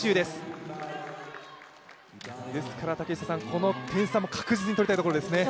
この点差も確実に取りたいところですね。